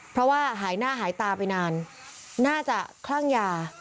เพราะว่าหายหน้าหายตาไปนานน่าจะคลั่งยา